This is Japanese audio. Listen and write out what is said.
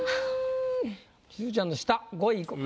しずちゃんの下５位いこう。